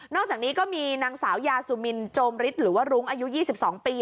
อกจากนี้ก็มีนางสาวยาสุมินโจมฤทธิ์หรือว่ารุ้งอายุ๒๒ปี